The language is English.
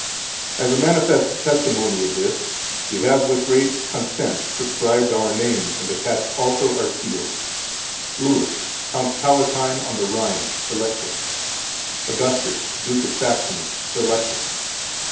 25 As a manifest testimony of this, we have with great consent subscribed our names, and attached also our seals:— Louis, Count Palatine on the Rhine, Elector. Augustus, Duke of Saxony, Elector.